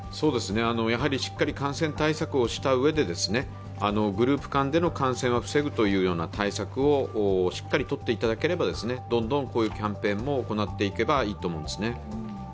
やはりしっかり感染対策をしたうえで、グループ間での感染は防ぐという対策をしっかりとっていただければ、どんどんこういうキャンペーンも行っていけばいいと思います。